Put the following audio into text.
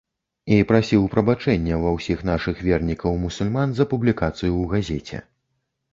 І прасіў прабачэння ва ўсіх нашых вернікаў мусульман за публікацыю ў газеце.